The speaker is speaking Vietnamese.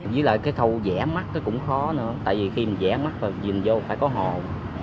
với lại cái khâu vẽ mắt cũng khó nữa tại vì khi vẽ mắt và nhìn vô phải có hồn